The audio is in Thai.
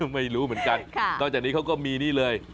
ไม่รู้เหมือนกันนอกจากนี้เขาก็มีนี่เลย